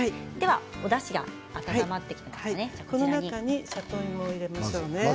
おだしが温まっています。